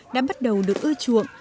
đã bắt đầu được ưa chuộng